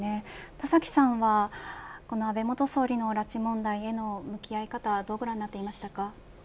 田崎さんは安倍元総理の拉致問題への向き合い方どうご覧になりますか。